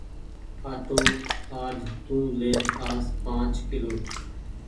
آٽو آج تو لين آس پآنچ ڪلو۔